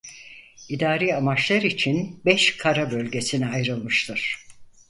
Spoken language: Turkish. İdari amaçlar için beş Kara Bölgesine ayrılmıştır.